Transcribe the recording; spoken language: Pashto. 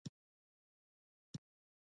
احمد وویل زما خبره ومنه او پام کوه.